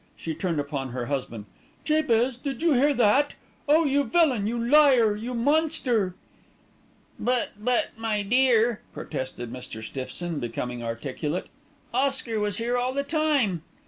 She turned upon her husband. "Jabez, did you hear that? Oh! you villain, you liar, you monster!" "But but, my dear," protested Mr. Stiffson, becoming articulate, "Oscar was here all the time."